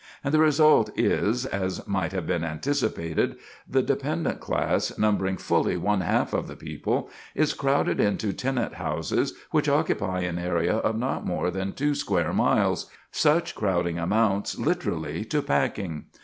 And the result is, as might have been anticipated, the dependent class, numbering fully one half of the people, is crowded into tenant houses which occupy an area of not more than two square miles. Such crowding amounts literally to packing.